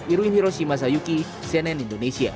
irwin hiroshi masayuki cnn indonesia